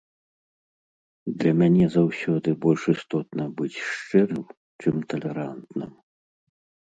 Для мяне заўсёды больш істотна быць шчырым, чым талерантным.